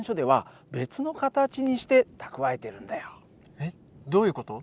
えっどういう事？